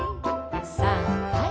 さんはい。